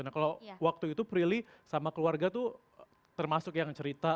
nah kalau waktu itu prilly sama keluarga tuh termasuk yang cerita